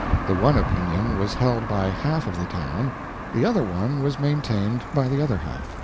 The one opinion was held by half of the town, the other one was maintained by the other half.